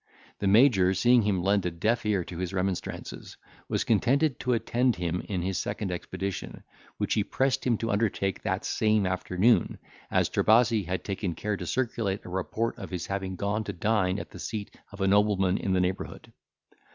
The Major, seeing him lend a deaf ear to his remonstrances, was contented to attend him in his second expedition, which he pressed him to undertake that same afternoon, as Trebasi had taken care to circulate a report of his having gone to dine at the seat of a nobleman in the neighbourhood.